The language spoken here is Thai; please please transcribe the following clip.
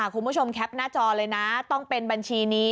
คุณผู้ชมแคปหน้าจอเลยนะต้องเป็นบัญชีนี้